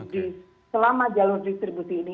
di selama jalur distribusi ini